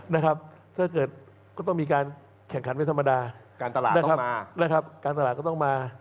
ถ้าเกิดก็ต้องมีการแข่งขันเวทธรรมดาการตลาดก็ต้องมา